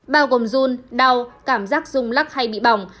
bao gồm dung đau cảm giác dung lắc hay bị bỏng